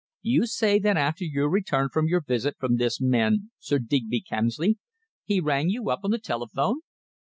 "You say that after your return from your visit from this man, Sir Digby Kemsley, he rang you up on the telephone?"